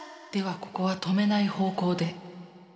ではここは止めない方向で。